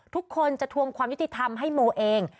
ทุกคนจะทวงความยุติธรรมให้โมเอง